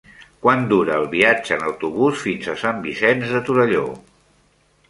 Quant dura el viatge en autobús fins a Sant Vicenç de Torelló?